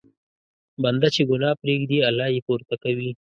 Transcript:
بنده چې ګناه پرېږدي، الله یې پورته کوي.